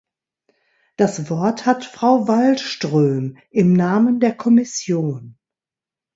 Das Wort hat Frau Wallström im Namen der Kommission.